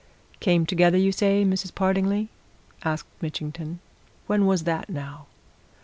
"Came together, you say, Mrs. Partingley?" asked Mitchington. "When was that, now?"